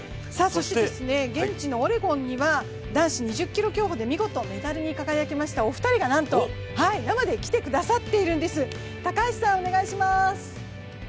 現地のオレゴンには男子２０ｋｍ競歩でメダルに輝きましたお二人がなんと、生で来てくださっているんです。